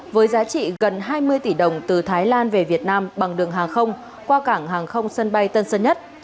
với giá trị gần hai mươi tỷ đồng từ thái lan về việt nam bằng đường hàng không qua cảng hàng không sân bay tân sơn nhất